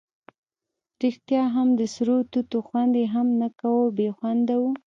ریښتیا هم د سرو توتو خوند یې هم نه کاوه، بې خونده وو.